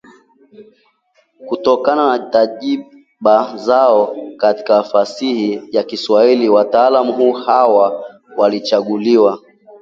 Kutokana na tajiba zao katika fasihi ya Kiswahili wataalamu hawa walichaguliwa